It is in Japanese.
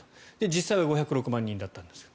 実際は５０６万人だったんですが。